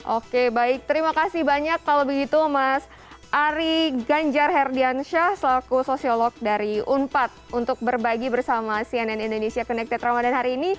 oke baik terima kasih banyak kalau begitu mas ari ganjar herdiansyah selaku sosiolog dari unpad untuk berbagi bersama cnn indonesia connected ramadan hari ini